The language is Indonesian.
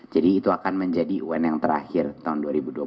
jadi itu akan menjadi un yang terakhir tahun dua ribu dua puluh